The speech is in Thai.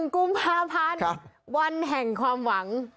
กุมภาพันธ์วันแห่งความหวัง